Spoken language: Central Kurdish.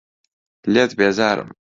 لێت بێزارم.